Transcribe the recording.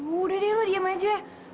udah deh lo diam aja